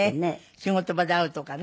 仕事場で会うとかね。